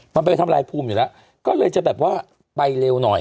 มันไปทำลายภูมิอยู่แล้วก็เลยจะแบบว่าไปเร็วหน่อย